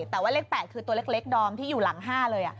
แต่ว่าเลข๘คือตัวเล็กดอมที่อยู่หลัง๕เลย